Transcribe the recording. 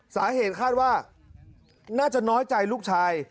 สาเหตุคาดว่าน่าจะน้อยใจลูกชาย